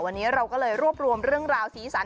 วันนี้เราก็เลยรวบรวมเรื่องราวสีสัน